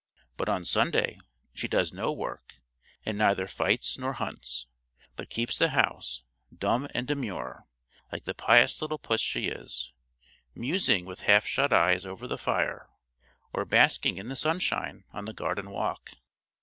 But on Sunday she does no work, and neither fights nor hunts, but keeps the house, dumb and demure, like the pious little puss she is; musing with half shut eyes over the fire, or basking in the sunshine on the garden walk.